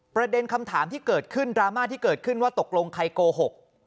ประเด็นคำถามที่เกิดขึ้นดราม่าที่เกิดขึ้นว่าตกลงใครโกหก